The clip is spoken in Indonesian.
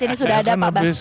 ini sudah ada pak bas